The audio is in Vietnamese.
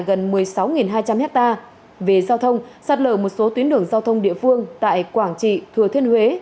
gần một mươi sáu hai trăm linh hectare vì giao thông sạt lở một số tuyến đường giao thông địa phương tại quảng trị thừa thiên huế